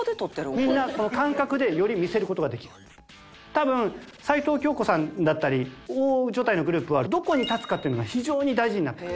多分齊藤京子さんだったり大所帯のグループはどこに立つかっていうのが非常に大事になってくる。